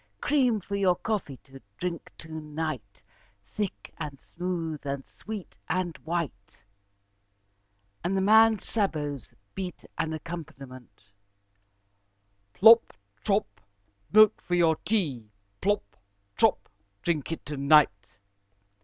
Cream for your coffee to drink to night, thick, and smooth, and sweet, and white," and the man's sabots beat an accompaniment: "Plop! trop! milk for your tea. Plop! trop! drink it to night."